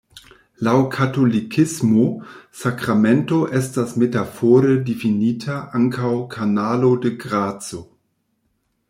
Laŭ katolikismo, sakramento estas metafore difinita ankaŭ "kanalo de graco".